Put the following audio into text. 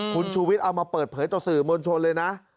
คุณชูวิทย์เอามาเปิดเผยต่อสื่อมวลชนเลยนะ